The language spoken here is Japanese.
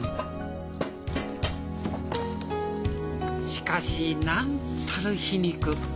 しかしなんたる皮肉。